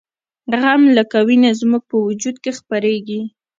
غم لکه وینه زموږ په وجود کې خپریږي